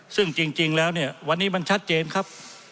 ซึ่งจริงแล้วเนี่ยวันนี้มันชัดเจนครับ